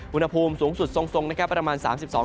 อุณหภูมิสูงสุดทรงนะครับประมาณ๓๒